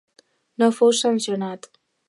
No fou sancionat.